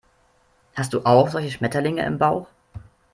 Hast du auch solche Schmetterlinge im Bauch?